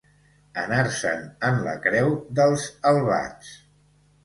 Anar-se'n en la creu dels albats.